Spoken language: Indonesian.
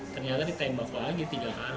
ternyata ditembak lagi tiga hari